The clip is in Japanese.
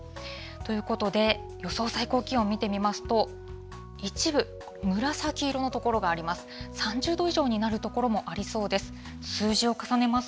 ということで、予想最高気温を見てみますと、一部、紫色の所があります。